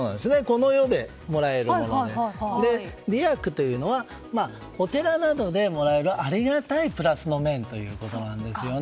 この世でもらえるもので「りやく」というのはお寺などでもらえるありがたいプラスの面ということです。